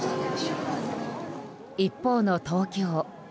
一方の東京。